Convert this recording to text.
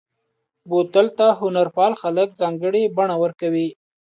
بوتل ته هنرپال خلک ځانګړې بڼه ورکوي.